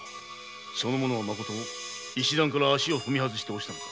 その者はまこと石段から足を踏み外して落ちたのか？